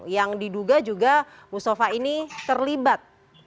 yang diduga juga mustafa ini terlibat